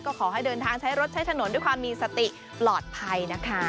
ก็ขอให้เดินทางใช้รถใช้ถนนด้วยความมีสติปลอดภัยนะคะ